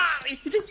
痛っ！